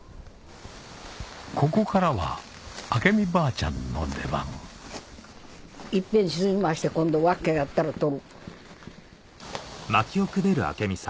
ここからは明美ばあちゃんの出番いっぺん沈まして今度沸き上がったら取る。